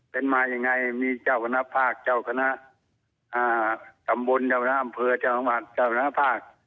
เป็นมาอย่างไรมีเจ้าคณะภาคเจ้าคณะสมบุลเจ้าคณะอำเภอเจ้าคณะภาค